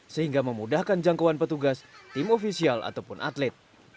sehingga memudahkan jangkauan petugas tim ofisial ataupun atlet